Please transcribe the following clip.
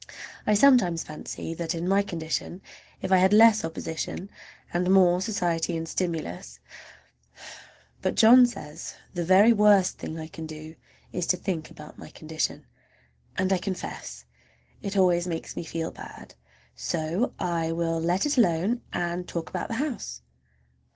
I sometimes fancy that in my condition if I had less opposition and more society and stimulus—but John says the very worst thing I can do is to think about my condition, and I confess it always makes me feel bad. So I will let it alone and talk about the house.